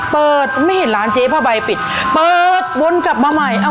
เปิดไม่เห็นร้านเจ๊ผ้าใบปิดเปิดวนกลับมาใหม่